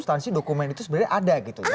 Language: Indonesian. jadi instansi dokumen itu sebenarnya ada gitu ya